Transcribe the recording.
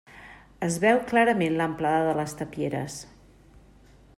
Es veu clarament l'amplada de les tapieres.